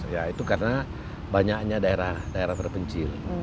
ya itu karena banyaknya daerah daerah terpencil